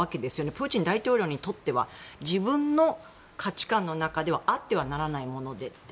プーチン大統領にとっては自分の価値観の中ではあってはならないものでって。